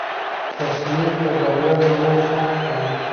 تصمیم د بریا لومړی شرط دی.